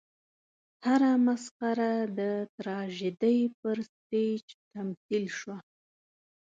هره مسخره د تراژیدۍ پر سټېج تمثیل شوه.